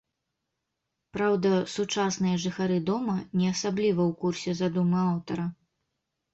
Праўда, сучасныя жыхары дома не асабліва ў курсе задумы аўтара.